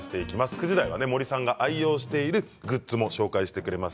９時台は森さんが愛用しているグッズを紹介してくれます。